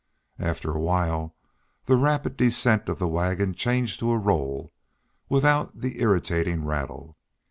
After a while the rapid descent of the wagon changed to a roll, without the irritating rattle.